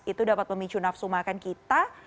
itu dapat memicu nafsu makan kita